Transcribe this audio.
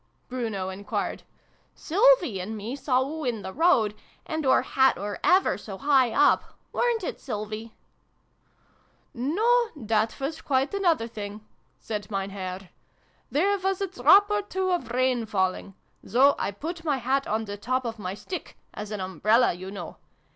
Bruno enquired. " Sylvie and me saw oo in the road, and oor hat were ever so high up ! Weren't it, Sylvie ?"" No, that was quite another thing," said Mein Herr. " There was a drop or two of rain falling : so I put my hat on the top of my stick as an umbrella, you know.